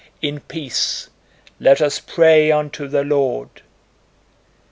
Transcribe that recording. "In peace let us pray unto the Lord."